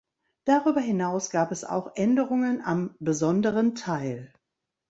Darüber hinaus gab es auch Änderungen am "Besonderen Teil".